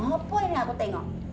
apa yang aku tengok